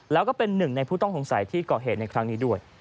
แล้วก็เป็นหนึ่งในผู้ต้องสงสัยที่ก่อเหตุในครั้งนี้ด้วย